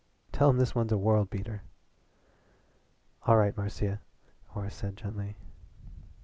Tell him this one's a world beater." "All right, Marcia," Horace said gently.